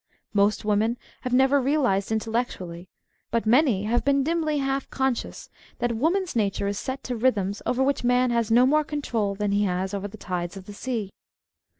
Most women have never realised intellectually, but many have been dimly half conscious, that woman's nature is set to rhythms over which man has no more control than he has over the tides of the sea.